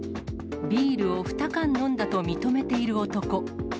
ビールを２缶飲んだと認めている男。